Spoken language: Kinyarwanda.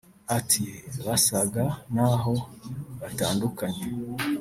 Ati “ Basaga n’aho batandukanye